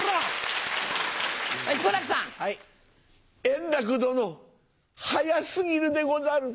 円楽殿早過ぎるでござる。